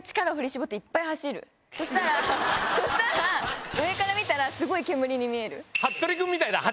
そしたら上から見たらすごい煙に見える。